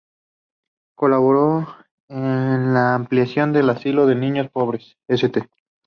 Colaboró en la ampliación del asilo de niños pobres "St.